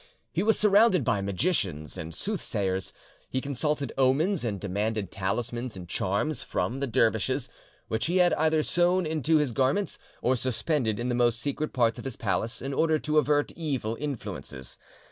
He was surrounded by magicians and soothsayers; he consulted omens, and demanded talismans and charms from the dervishes, which he had either sewn into his garments, or suspended in the most secret parts of his palace, in order to avert evil influences.